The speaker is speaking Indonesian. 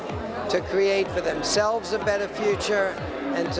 untuk membuat masa depan yang lebih baik untuk mereka sendiri